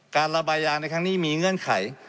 การระบายยางในครั้งนี้มีเงื่อนไข